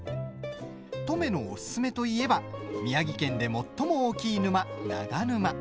登米のおすすめといえば宮城県で最も大きい沼、長沼。